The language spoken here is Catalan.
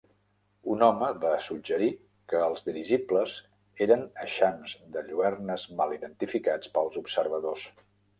Un home va suggerir que els dirigibles eren eixams de lluernes mal identificats pels observadors.